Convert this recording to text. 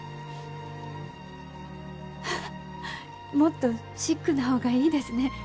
ハハッもっとシックな方がいいですね。